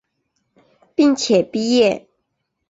并且毕业。